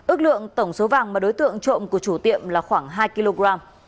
ước lượng tổng số vàng mà đối tượng trộm của chủ tiệm là khoảng hai kg